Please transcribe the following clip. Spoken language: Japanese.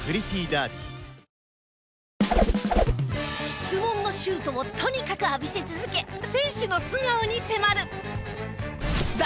質問のシュートをとにかく浴びせ続け選手の素顔に迫る！